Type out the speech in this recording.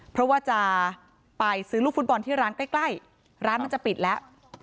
เพราะว่าจะไปซื้อลูกฟุตบอลที่ร้านใกล้ร้านมันจะปิดแล้ว